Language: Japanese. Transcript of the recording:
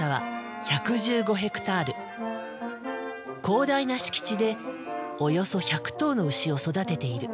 広大な敷地でおよそ１００頭の牛を育てている。